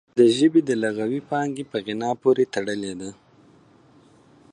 د ژبې د لغوي پانګې په غنا پورې تړلې ده